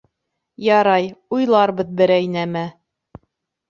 — Ярай, уйларбыҙ берәй нәмә.